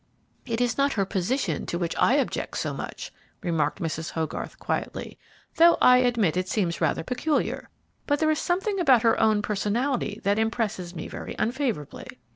"It is not her position to which I object so much," remarked Mrs. Hogarth, quietly, "though I admit it seems rather peculiar, but there is something about her own personality that impresses me very unfavorably."